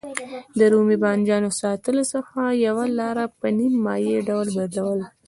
د رومي بانجانو ساتلو څخه یوه لاره په نیم مایع ډول بدلول دي.